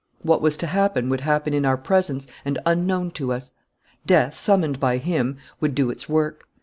What was to happen would happen in our presence and unknown to us. Death, summoned by him, would do its work....